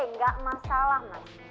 nggak masalah mas